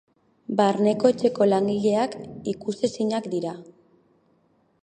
Barneko etxeko langileak ikusezinak dira.